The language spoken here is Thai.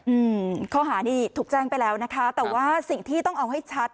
อืมข้อหานี้ถูกแจ้งไปแล้วนะคะแต่ว่าสิ่งที่ต้องเอาให้ชัด